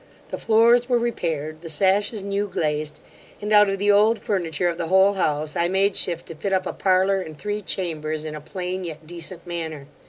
The floors were repaired, the sashes new glazed, and out of the old furniture of the whole house, I made shift to fit up a parlour and three chambers in a plain yet decent manner.